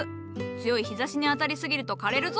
強い日ざしに当たりすぎると枯れるぞ。